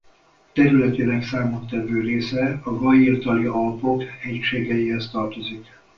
Területének számottevő része a Gailtali-Alpok hegységeihez tartozik.